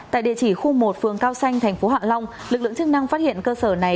tại địa chỉ khu một phương cao xanh tp hạ long lực lượng chức năng phát hiện cơ sở này